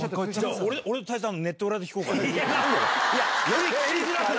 俺と泰造はネット裏で聴こうかな。